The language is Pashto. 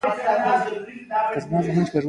د سکوموس سیل کارسینوما د پوست سرطان دی.